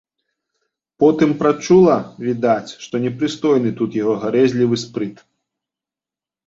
Потым прачула, відаць, што непрыстойны тут яго гарэзлівы спрыт.